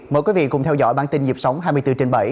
mời quý vị cùng theo dõi bản tin nhịp sống hai mươi bốn trên bảy